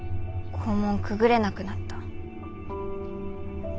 校門くぐれなくなった。